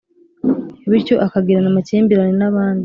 bityo akagirana amakimbirane nabandi